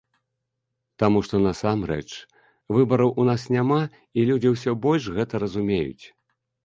Таму, што насамрэч выбараў у нас няма, і людзі ўсё больш гэта разумеюць.